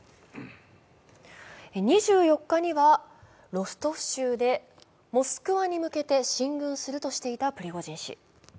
２４日には、ロストフ州でモスクワに向けて進軍するとしていたプリゴジン氏。